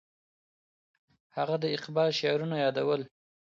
هغه د اقبال شعرونه یادول.